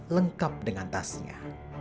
lengkap dengan tasnya